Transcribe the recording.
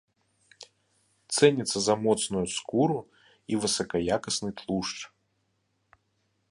Цэніцца за моцную скуру і высакаякасны тлушч.